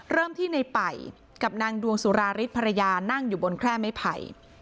เริ่มที่ในป่ายกับนางดวงสุราริสภรรยานั่งอยู่บนแคร่ไม้ไผ่